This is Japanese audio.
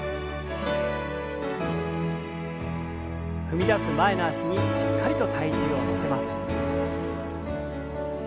踏み出す前の脚にしっかりと体重を乗せます。